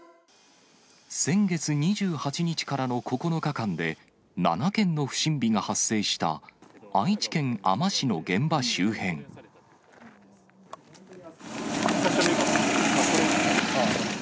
先月２８日からの９日間で７件の不審火が発生した、愛知県あま市１か所目がここで。